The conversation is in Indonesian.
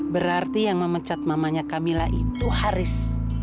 berarti yang memecat mamanya camilla itu haris